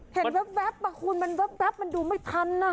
เห็นแว๊บมันแว๊บมันดูไม่ทัน